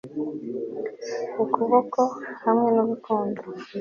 ukuboko hamwe nurukundo